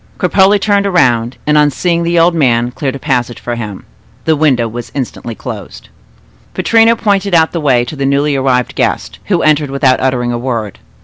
Cropole turned around, and, on seeing the old man, cleared a passage for him. The window was instantly closed. Pittrino pointed out the way to the newly arrived guest, who entered without uttering a word.